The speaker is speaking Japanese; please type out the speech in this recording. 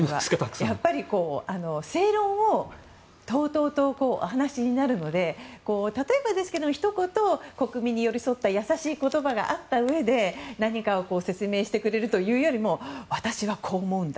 やっぱり正論をとうとうとお話になるので例えばですけどひと言、国民に寄り添った優しい言葉があったうえで何かを説明してくれるというよりも私はこう思うんだ